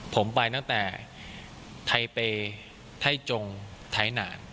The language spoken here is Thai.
ผมไปตั้งแต่ไทเปย์ไทยจงไทยนาน